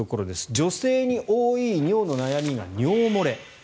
女性に多い尿の悩みが尿漏れ。